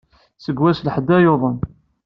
Seg wass n lḥedd ay yuḍen.